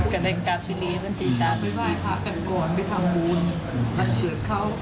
กำลังกลับที่นี้มันจะจัด